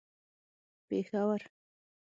پېښور